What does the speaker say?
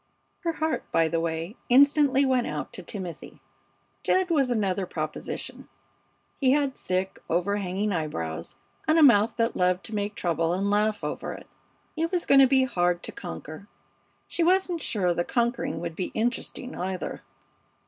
Her heart, by the way, instantly went out to Timothy. Jed was another proposition. He had thick, overhanging eyebrows, and a mouth that loved to make trouble and laugh over it. He was going to be hard to conquer. She wasn't sure the conquering would be interesting, either.